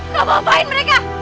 kamu ngapain mereka